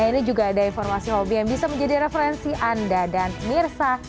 ini juga ada informasi hobi yang bisa menjadi referensi anda dan pemirsa